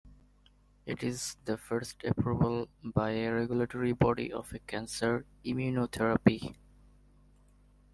It is the first approval by a regulatory body of a cancer immunotherapy.